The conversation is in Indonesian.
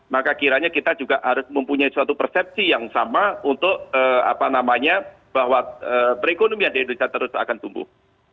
maka kiranya kita juga harus mempunyai suatu persepsi yang sama untuk apa namanya bahwa perekonomian di indonesia terus akan tumbuh